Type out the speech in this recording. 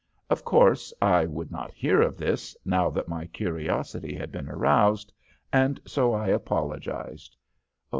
Of course I would not hear of this, now that my curiosity had been aroused, and so I apologized.